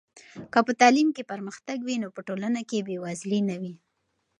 که په تعلیم کې پرمختګ وي نو په ټولنه کې بې وزلي نه وي.